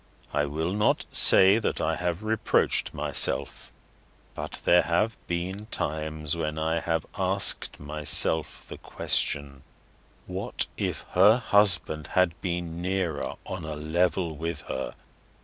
I will not say that I have reproached myself; but there have been times when I have asked myself the question: What if her husband had been nearer on a level with her?